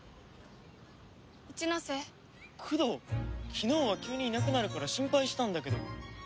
昨日は急にいなくなるから心配したんだけど。